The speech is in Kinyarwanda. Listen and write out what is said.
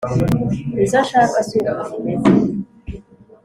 izo nshaka si uko zimeze.